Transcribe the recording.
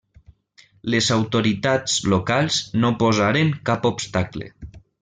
Les autoritats locals no posaren cap obstacle.